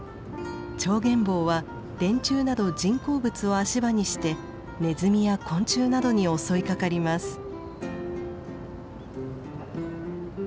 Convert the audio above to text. チョウゲンボウは電柱など人工物を足場にしてネズミや昆虫などに襲いかかります。